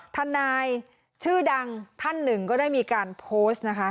ทนายชื่อดังท่านหนึ่งก็ได้มีการโพสต์นะคะ